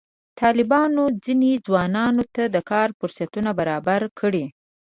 طالبانو ځینو ځوانانو ته د کار فرصتونه برابر کړي.